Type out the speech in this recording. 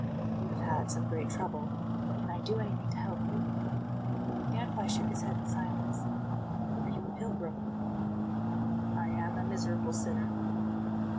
"You have had some great trouble. Can I do anything to help you?" The Gadfly shook his head in silence. "Are you a pilgrim?" "I am a miserable sinner."